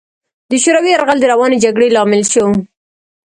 د شوروي یرغل د روانې جګړې لامل شو.